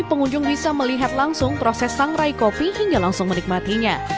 pengunjung bisa melihat langsung proses sangrai kopi hingga langsung menikmatinya